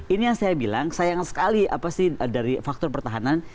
ini yang saya bilang sayang sekali dari faktor pertahanan